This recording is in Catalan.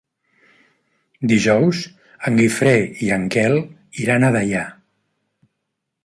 Dijous en Guifré i en Quel iran a Deià.